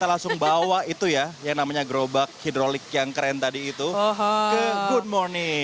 kita langsung bawa itu ya yang namanya gerobak hidrolik yang keren tadi itu ke good morning